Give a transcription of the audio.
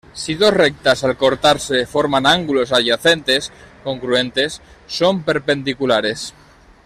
Si dos rectas al cortarse forman ángulos adyacentes congruentes, son perpendiculares.